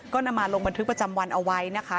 ก็นำมาลงบันทึกประจำวันเอาไว้นะคะ